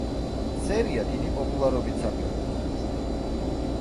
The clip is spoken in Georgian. სერია დიდი პოპულარობით სარგებლობს.